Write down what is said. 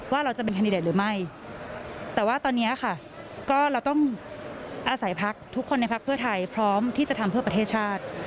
ว่าเราจะเป็นแคนดิเดตหรือไม่แต่ว่าตอนนี้ค่ะก็เราต้องอาศัยพักทุกคนในพักเพื่อไทยพร้อมที่จะทำเพื่อประเทศชาติ